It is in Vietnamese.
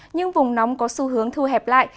nhưng vùng nóng có xu hướng thư hẹp lại